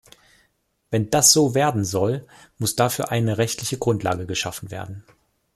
Wenn das so werden soll, muss dafür eine rechtliche Grundlage geschaffen werden.